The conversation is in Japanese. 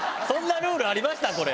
そんなルールありました？